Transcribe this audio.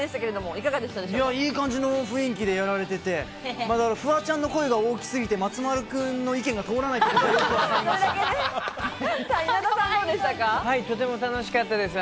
いい感じの雰囲気でやられてて、フワちゃんの声が大きすぎて松丸君の意見が通らないっていうとても楽しかったです。